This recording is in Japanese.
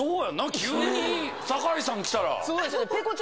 急に酒井さん来たら。